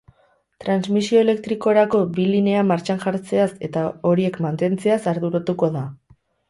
Transmisio elektrikorako bi linea martxan jartzeaz eta horiek mantentzeaz arduratuko da.